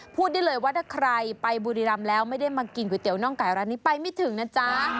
พูดได้เลยว่าถ้าใครไปบุรีรำแล้วไม่ได้มากินก๋วเตี๋น่องไก่ร้านนี้ไปไม่ถึงนะจ๊ะ